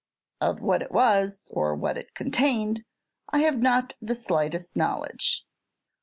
Of what it was, or what it contained, I have not the slightest knowledge.